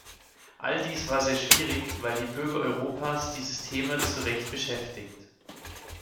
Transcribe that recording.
All dies war sehr schwierig, weil die Bürger Europas dieses Thema zu Recht beschäftigt.